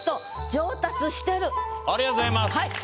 でもありがとうございます。